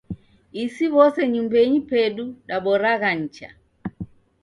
Isi w'ose nyumbenyi pedu daboragha nicha.